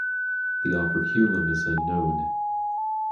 The operculum is unknown.